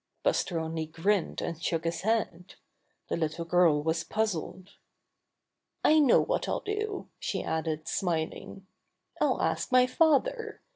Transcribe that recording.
Buster only grinned and shook his head. The little girl was puzzled. "I know what I'll do," she added, smiling. "I'll ask my father.